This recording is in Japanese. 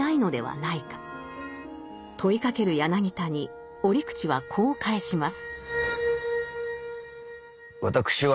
問いかける柳田に折口はこう返します。